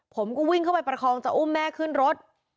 ผมก็วิ่งเข้าไปประคองจะอุ้มแม่ขึ้นรถ